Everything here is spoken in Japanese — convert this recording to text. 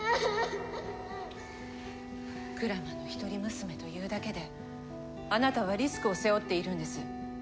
鞍馬の一人娘というだけであなたはリスクを背負っているんです。